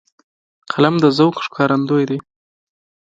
قلم د ذوق ښکارندوی دی